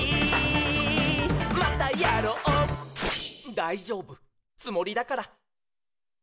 「だいじょうぶつもりだから」